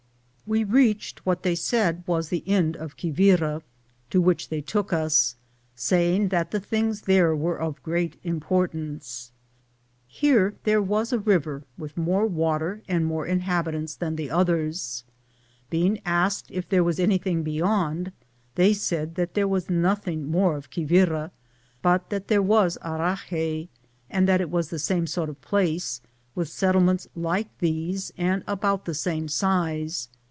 "We reached what they eaid was the end of Quibira, to which they took us, saying that the things there were of great impor tance. 1 Here there was a river, with more water and more inhabitants than the others. Being asked if there was anything beyond, they said that there was nothing more of Quibira, but that there was Harahey, and that it was the same sort of a place, with settlements like these, and of about the same size.